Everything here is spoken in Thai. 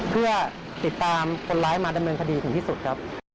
เพื่อติดตามคนร้ายมาดำเนินคดีถึงที่สุดครับ